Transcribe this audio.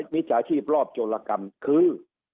มิจฉาชีพรอบโจรกรรมคือ